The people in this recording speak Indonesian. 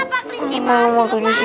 mari kita ke kelinci